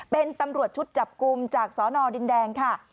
เป็นตำรวจชุดจับกลุ่มจากสนดินแดงค่ะ